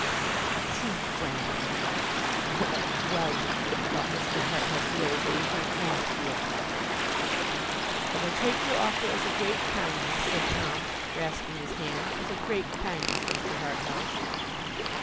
A true friend! 'Whelp, whelp!' thought Mr. Harthouse, lazily; 'what an Ass you are!' 'And I take your offer as a great kindness,' said Tom, grasping his hand. 'As a great kindness, Mr. Harthouse.